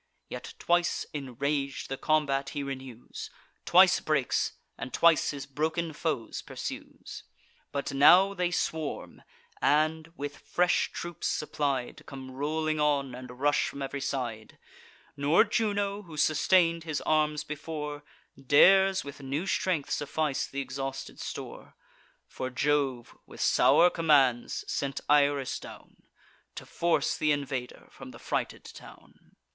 Yet twice, enrag'd, the combat he renews, Twice breaks, and twice his broken foes pursues. But now they swarm, and, with fresh troops supplied, Come rolling on, and rush from ev'ry side: Nor Juno, who sustain'd his arms before, Dares with new strength suffice th' exhausted store; For Jove, with sour commands, sent Iris down, To force th' invader from the frighted town.